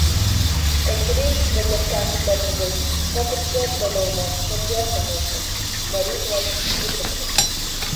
Качырий жакетка кӱсенже гыч кокыте тодылмо конвертым луктын, марийжылан кучыктыш.